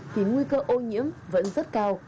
thì nguy cơ ô nhiễm vẫn rất cao